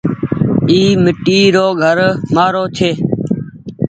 اي ميٽي رو گهر مآرو ڇي۔